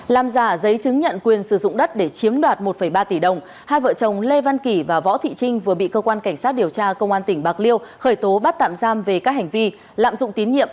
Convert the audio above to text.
làm giả giấy chứng nhận quyền sử dụng đất để chiếm đoạt một ba tỷ đồng hai vợ chồng lê văn kỳ và võ thị trinh vừa bị cơ quan cảnh sát điều tra công an tỉnh bạc liêu khởi tố bắt tạm giam về các hành vi lạm dụng tín nhiệm